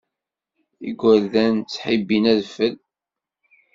Igerdan ttḥibbin adfel.